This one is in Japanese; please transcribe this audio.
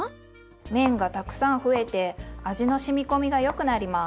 面がたくさん増えて味の染み込みがよくなります。